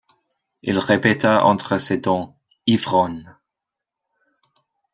Il répéta entre ses dents: Ivrogne!